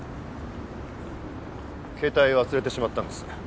携帯忘れてしまったんです。